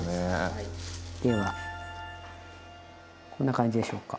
ではこんな感じでしょうか。